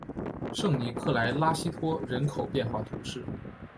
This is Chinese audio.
圣尼科拉莱西托人口变化图示